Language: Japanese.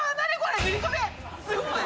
すごい！